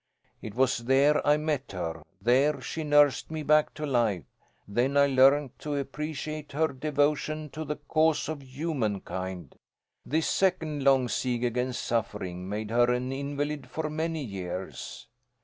It was there I met her, there she nursed me back to life; then I learned to appreciate her devotion to the cause of humankind. This second long siege against suffering made her an invalid for many years.